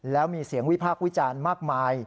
แล้วมีเสียงวิพากษ์วิจารณ์มากมาย